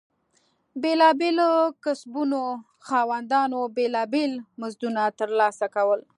بېلابېلو کسبونو خاوندانو بېلابېل مزدونه ترلاسه کول.